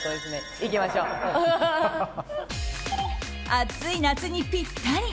暑い夏にぴったり。